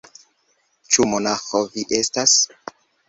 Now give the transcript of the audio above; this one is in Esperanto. Ĉu monaĥo vi estas?